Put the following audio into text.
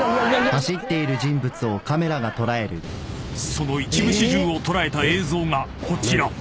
［その一部始終を捉えた映像がこちら］